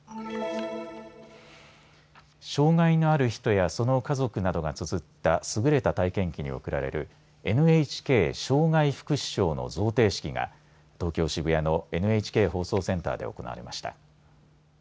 障害のある人やその家族などがつづった優れた体験記に贈られるＮＨＫ障害福祉賞の贈呈式が東京渋谷のＮＨＫ放送センターで行われました。